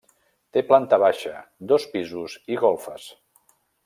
Té planta baixa, dos pisos i golfes.